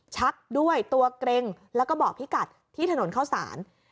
ชักด้วยตัวเกร็งแล้วก็บอกพี่กัดที่ถนนเข้าสาร